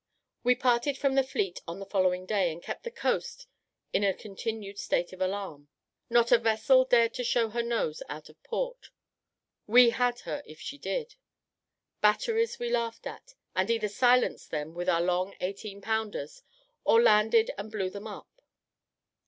We parted from the fleet on the following day, and kept the coast in a continued state of alarm. Not a vessel dared to show her nose out of port: we had her if she did. Batteries we laughed at, and either silenced them with our long eighteen pounders, or landed and blew them up.